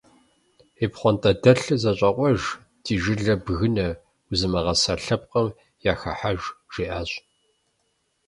- Уи пхъуантэдэлъыр зэщӀэкъуэж, ди жылэр бгынэ, узымыгъэса лъэпкъым яхыхьэж, - жиӏащ.